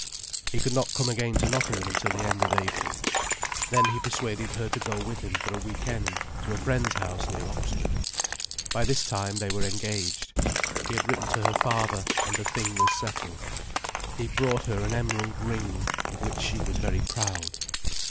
He could not come again to Nottingham until the end of April. Then he persuaded her to go with him for a week end to a friend's house near Oxford. By this time they were engaged. He had written to her father, and the thing was settled. He brought her an emerald ring, of which she was very proud.